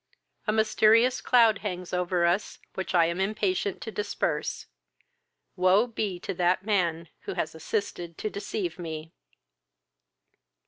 A mysterious cloud hangs over us, which I am impatient to disperse. Woe be to that man who has assisted to deceive me!"